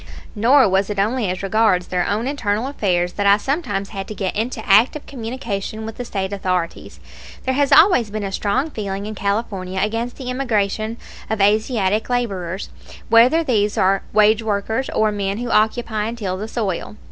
Nor was it only as regards their own internal affairs that I sometimes had to get into active communication with the State authorities. There has always been a strong feeling in California against the immigration of Asiatic laborers, whether these are wage workers or men who occupy and till the soil.